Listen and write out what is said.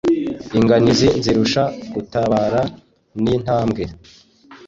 Inganizi nzirusha gutabara nintambwe